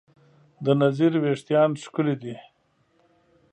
د نذیر وېښتیان ښکلي دي.